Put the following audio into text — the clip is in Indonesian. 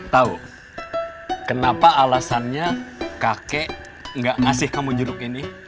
tau kenapa alasannya kakek nggak ngasih kamu jeruk ini